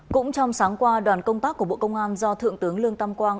cũng trong sáng qua đoàn công tác của bộ công an do thượng tướng lương tam quang